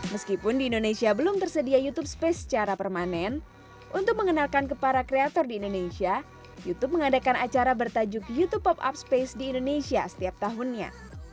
meskipun di indonesia belum tersedia youtube space secara permanen untuk mengenalkan ke para kreator di indonesia youtube mengadakan acara bertajuk youtube pop up space di indonesia setiap tahunnya